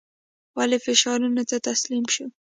والي فشارونو ته تسلیم شو.